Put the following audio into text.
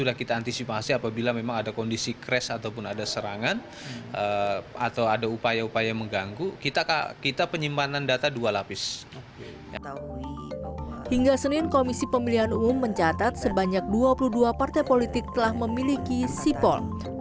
hingga senin komisi pemilihan umum mencatat sebanyak dua puluh dua partai politik telah memiliki sipol